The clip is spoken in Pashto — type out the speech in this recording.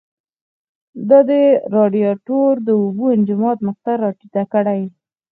دا د رادیاتور د اوبو انجماد نقطه را ټیټه کړي.